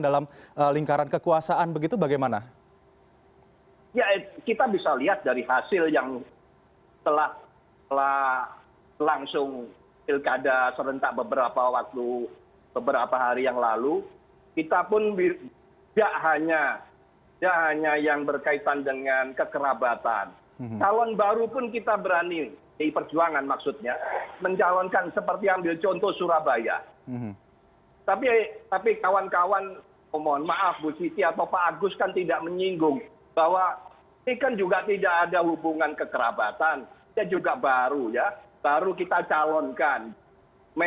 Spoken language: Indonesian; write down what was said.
dalam lingkaran kekuasaan ini bagaimana catatan atau tanggapannya mbak wiwi